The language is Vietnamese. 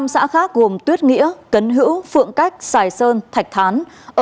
năm xã khác gồm tuyết nghĩa cấn hữu phượng cách sài sơn thạch thán